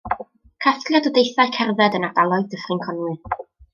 Casgliad o deithiau cerdded yn ardaloedd Dyffryn Conwy.